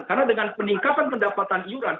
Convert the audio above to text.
karena dengan peningkatan pendapatan iuran